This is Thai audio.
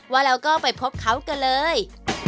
ว่าแล้วก็ไปพบเขากันเลย